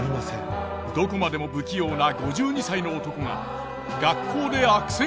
どこまでも不器用な５２歳の男が学校で悪戦苦闘。